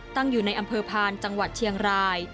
ตั้งอยู่ในอำเภอพานจังหวัดเชียงราย